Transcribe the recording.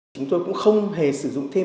chúng tôi cũng không hề sử dụng thêm